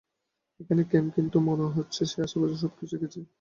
এখানে ক্যাম্প, কিন্তু মনে হচ্ছে সে আশেপাশের সব কিছুই এঁকেছে।